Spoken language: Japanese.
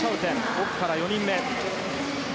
奥から４人目。